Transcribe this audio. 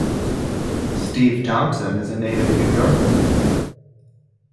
Steve Thompson is a native New Yorker.